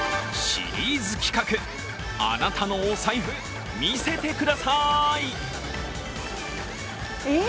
シリーズ企画、あなたのお財布見せてください。